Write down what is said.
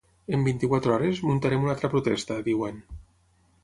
En vint-i-quatre hores muntarem una altra protesta, diuen.